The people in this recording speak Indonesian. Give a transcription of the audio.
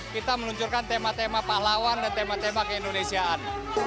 kita meluncurkan tema tema pahlawan dan tema tema keindonesiaan